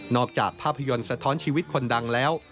จากภาพยนตร์สะท้อนชีวิตคนดังแล้ว